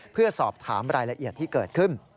เพื่อสอบถามรายละเอียดที่เกิดขึ้น